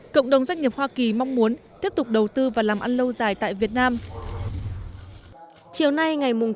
cộng đồng doanh nghiệp hoa kỳ mong muốn tiếp tục đầu tư và làm ăn lâu dài tại việt nam